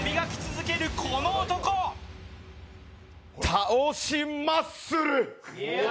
倒しマッスル！